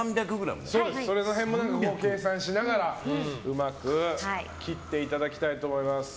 その辺も計算しながらうまく切っていただきたいと思います。